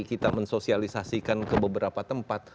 kita mensosialisasikan ke beberapa tempat